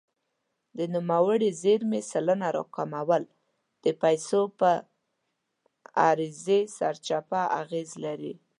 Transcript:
د نوموړې زیرمې سلنه راکمول د پیسو پر عرضې سرچپه اغېز لري.